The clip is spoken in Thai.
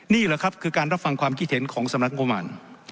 นี่แหละครับคือการรับฟังความคิดเห็นของสำนักงบประมาณ